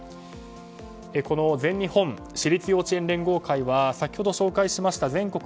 この全日本私立幼稚園連合会は先ほど紹介しました全国